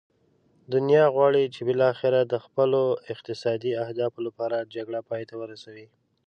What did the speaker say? دنیا غواړي چې بالاخره د خپلو اقتصادي اهدافو لپاره جګړه پای ته ورسوي.